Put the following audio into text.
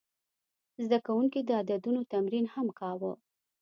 زده کوونکي د عددونو تمرین هم کاوه.